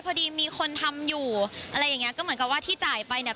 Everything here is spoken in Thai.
พอดีมีคนทำอยู่อะไรอย่างเงี้ก็เหมือนกับว่าที่จ่ายไปเนี่ย